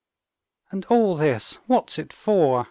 "And all this, what's it for?